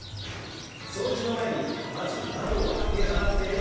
掃除の前にまず窓を開け放って。